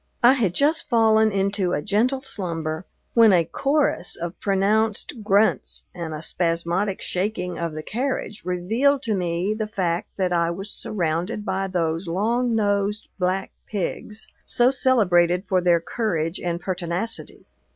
I had just fallen into a gentle slumber, when a chorus of pronounced grunts and a spasmodic shaking of the carriage revealed to me the fact that I was surrounded by those long nosed black pigs, so celebrated for their courage and pertinacity.